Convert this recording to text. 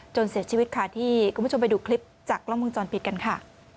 เสียชีวิตค่ะที่คุณผู้ชมไปดูคลิปจากกล้องวงจรปิดกันค่ะ